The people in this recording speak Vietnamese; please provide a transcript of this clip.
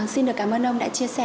xin được cảm ơn ông đã chia sẻ